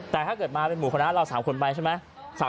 แต่ถ้าเกิดมาเป็นหมู่คณะเรา๓คนไปใช่ไหม